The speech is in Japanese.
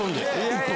１本。